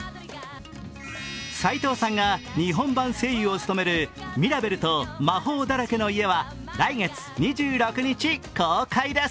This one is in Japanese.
齋藤さんが日本版声優を務める「ミラベルと魔法だらけの家」は来月２６日公開です。